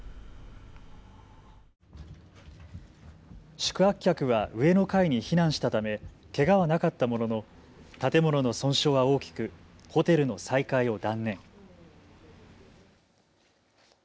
宿泊客は上の階に避難したためけがはなかったものの建物の損傷は大きくホテルの再開を断念。